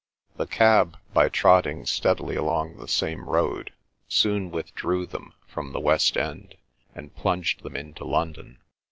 The cab, by trotting steadily along the same road, soon withdrew them from the West End, and plunged them into London.